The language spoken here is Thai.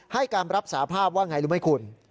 ให้การรับสาภาพว่าไงรู้ไหมคุณ